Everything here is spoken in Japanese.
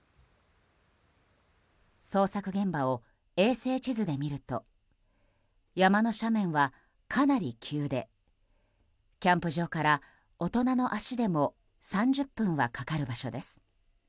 捜索現場を衛星地図で見ると山の斜面はかなり急でキャンプ場から大人の足でも３０分はかかる場所です。